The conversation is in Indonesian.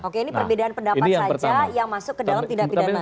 oke ini perbedaan pendapat saja yang masuk ke dalam tindak pidana